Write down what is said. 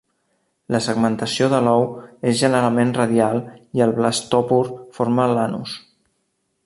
La segmentació de l'ou és generalment radial i el blastòpor forma l'anus.